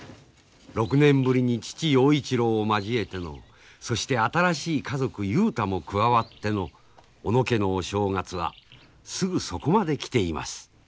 ６年ぶりに父陽一郎を交えてのそして新しい家族雄太も加わっての小野家のお正月はすぐそこまで来ています。